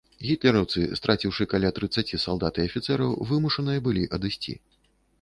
Гітлераўцы, страціўшы каля трыццаці салдат і афіцэраў, вымушаныя былі адысці.